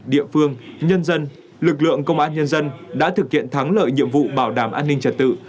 địa phương nhân dân lực lượng công an nhân dân đã thực hiện thắng lợi nhiệm vụ bảo đảm an ninh trật tự